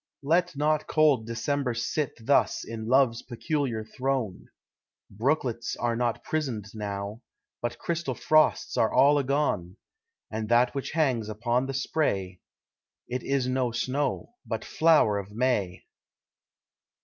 Let not cold December sit Thus in Love's peculiar throne: Brooklets are not prison'd now, But crystal frosts are all agone, And that which hangs upon the spray, It is no snow, but flow'r of May!